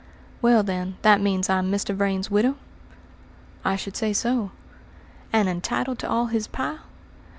"Well, then, that means I'm Mr. Vrain's widow?" "I should say so." "And entitled to all his pile?"